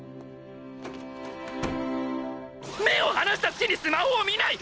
目を離した隙にスマホを見ない！